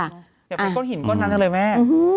เดี๋ยวไปก้นหินก้นนั้นกันเลยแม่